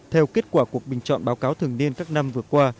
theo kết quả cuộc bình chọn báo cáo thường niên các năm vừa qua